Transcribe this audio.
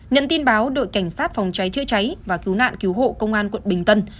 nhận tin báo đội cảnh sát phòng cháy chữa cháy và cứu nạn cứu hộ công an quận bình tân